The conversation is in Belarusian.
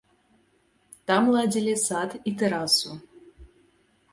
Там ладзілі сад і тэрасу.